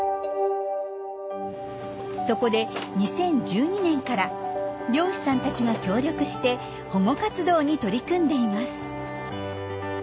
そこで２０１２年から漁師さんたちが協力して保護活動に取り組んでいます。